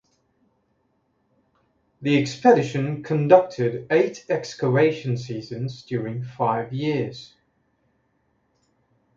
The expedition conducted eight excavation seasons during five years.